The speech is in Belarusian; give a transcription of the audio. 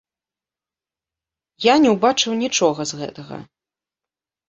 Я не ўбачыў нічога з гэтага.